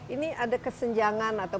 ini ada kesenjangan atau